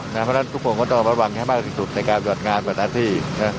เพราะนั้นทุกคนก็ต้องระวังให้มากกว่าสิทธิ์สุดในการจอดงานกว่าทัศน์ที่